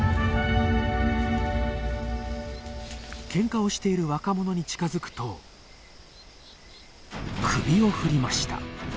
けんかをしている若者に近づくと首を振りました。